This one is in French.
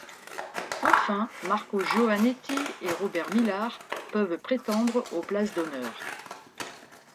Enfin, Marco Giovannetti et Robert Millar peuvent prétendre aux places d'honneur.